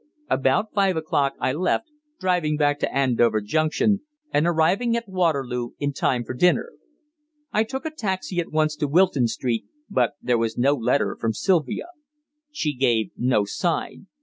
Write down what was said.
About five o'clock I left, driving back to Andover Junction, and arriving at Waterloo in time for dinner. I took a taxi at once to Wilton Street, but there was no letter from Sylvia. She gave no sign.